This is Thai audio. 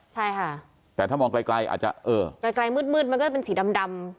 ใช่ค่ะแต่ถ้ามองไกลอาจจะเออไกลมืดมันก็จะเป็นสีดำ